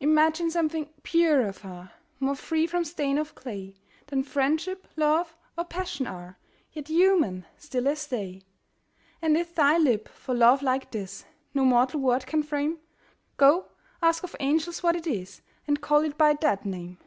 Imagine something purer far, More free from stain of clay Than Friendship, Love, or Passion are, Yet human, still as they: And if thy lip, for love like this, No mortal word can frame, Go, ask of angels what it is, And call it by that name!